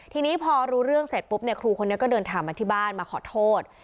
ทีนี้พอรู้เรื่องเสร็จปุ๊บเนี่ยครูคนนี้ก็เดินทางมาที่บ้านมาขอโทษ